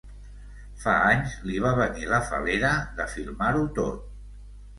Fa anys li va venir la fal·lera de filmar-ho tot.